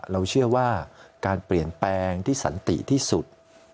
เราเชื่อว่าการเปลี่ยนแปลงที่สันติที่สุด